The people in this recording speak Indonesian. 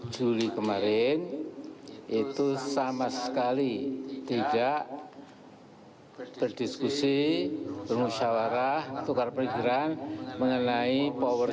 juli kemarin itu sama sekali tidak berdiskusi bermusyawarah tukar pikiran mengenai power